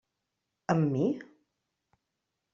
Amb mi?